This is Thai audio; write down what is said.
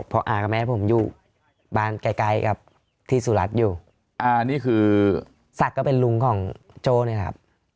เพราะอ่ากับแม่ผมอยู่บ้านไกลกับที่สุรัสตร์อยู่สักก็เป็นลุงของโจ้นะครับ